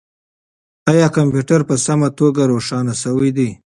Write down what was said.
آیا کمپیوټر په سمه توګه روښانه شوی دی؟